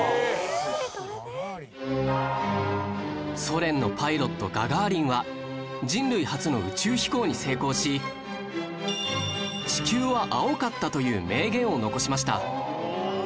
ソ連のパイロットガガーリンは人類初の宇宙飛行に成功し「地球は青かった」という名言を残しました